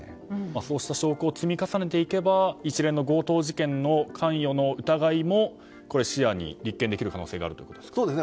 そうした証拠を積み重ねていけば一連の強盗事件の関与の疑いも視野に立件できる可能性があるということですか。